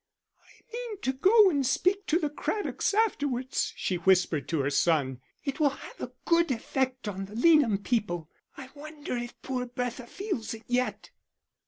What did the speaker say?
"I mean to go and speak to the Craddocks afterwards," she whispered to her son. "It will have a good effect on the Leanham people; I wonder if poor Bertha feels it yet."